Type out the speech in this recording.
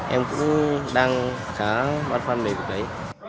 em cũng đang khá bát phan mềm cuộc đấy